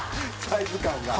サイズ感が。